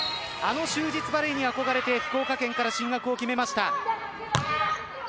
あの就実バレーに憧れて福岡県から進学を決めました。